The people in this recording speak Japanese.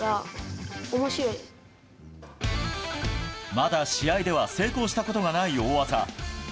まだ、試合では成功したことがない大技。